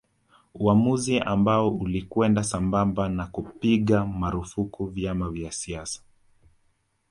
Uamuzi ambao ulikwenda sambamba na kupiga marufuku vyama vya siasa